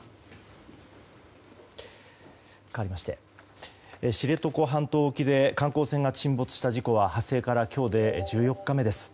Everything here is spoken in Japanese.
かわりまして知床半島沖で観光船が沈没した事故は発生から今日で１４日目です。